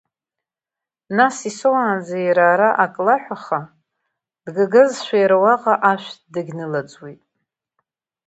Нас, исоуаанӡа уи ара ак лаҳәаха, дгагазшәа иара уаҟа ашә дагьнылаӡуеит.